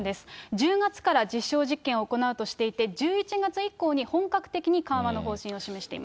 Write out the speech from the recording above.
１０月から実証実験を行うとしていて、１１月以降に、本格的に緩和の方針を示しています。